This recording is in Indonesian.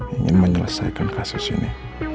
ingin menyelesaikan kasus ini